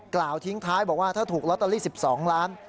กล่าวทิ้งท้ายบอกว่าถ้าถูกลอตเตอรี่๑๒ล้าน